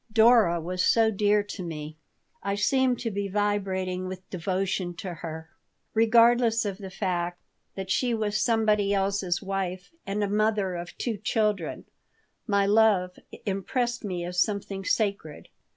Dora was so dear to me. I seemed to be vibrating with devotion to her. Regardless of the fact that she was somebody else's wife and a mother of two children, my love impressed me as something sacred.